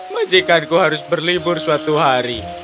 majikanku harus berlibur suatu hari